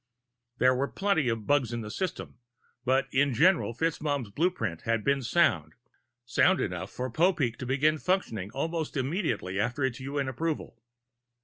There were plenty of bugs in the system, but in general FitzMaugham's blueprint had been sound sound enough for Popeek to begin functioning almost immediately after its UN approval.